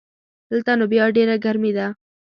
دلته نو بیا ډېره ګرمي ده